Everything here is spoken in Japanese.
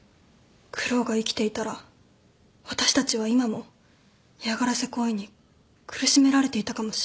クロウが生きていたら私たちは今も嫌がらせ行為に苦しめられていたかもしれない。